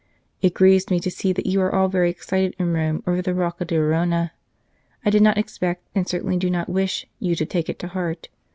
It grieves me to see that you are all very excited in Rome over the Rocca d Arona. I did not expect, and certainly do not wish, you to take it to heart.